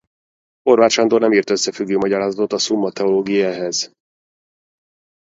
Horváth Sándor nem írt összefüggő magyarázatot a Summa Theologiae-hez.